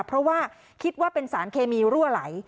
เพราะว่าคิดว่าเป็นสารเคมีรั่วไหล